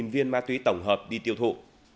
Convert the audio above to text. năm mươi bốn viên ma túy tổng hợp đi tiêu thụ